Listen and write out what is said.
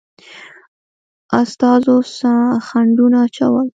استازو خنډونه اچول.